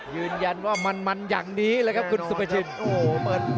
ยืนยันว่ามันมันอย่างนี้แล้วครับคุณสุพริชิน